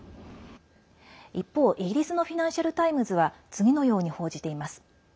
一方、イギリスのフィナンシャル・タイムズは次のように報じています。